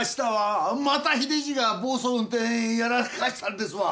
また秀じいが暴走運転やらかしたんですわ。